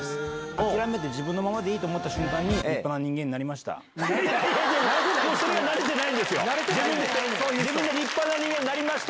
諦めて自分のままでいいと思った瞬間に、立派な人間になりました。